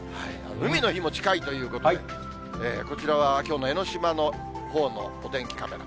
海の日も近いということで、こちらはきょうの江の島のほうのお天気カメラ。